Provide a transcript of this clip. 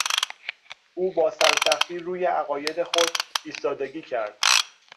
او با سرسختی روی عقاید خود ایستادگی کرد.